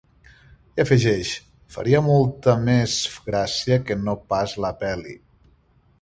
I afegeix: faria molta més gràcia que no pas la pel·li.